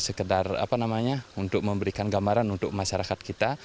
sekedar apa namanya untuk memberikan gambaran untuk masyarakat kita